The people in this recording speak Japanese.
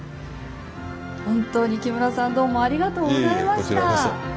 本当に木村さんどうもありがとうございました。